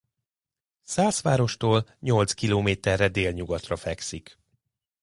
Szászvárostól nyolc kilométerre délnyugatra fekszik.